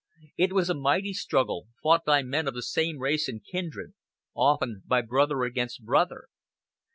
It was a mighty struggle, fought by men of the same race and kindred, often by brother against brother.